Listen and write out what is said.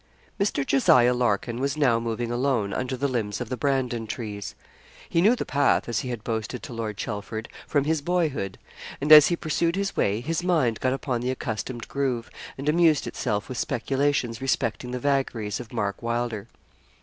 Mr. Jos. Larkin was now moving alone, under the limbs of the Brandon trees. He knew the path, as he had boasted to Lord Chelford, from his boyhood; and, as he pursued his way, his mind got upon the accustomed groove, and amused itself with speculations respecting the vagaries of Mark Wylder.